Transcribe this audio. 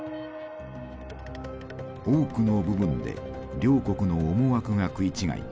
多くの部分で両国の思惑が食い違い